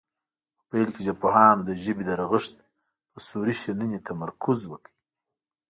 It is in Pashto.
په پیل کې ژبپوهانو د ژبې د رغښت په صوري شننې تمرکز وکړ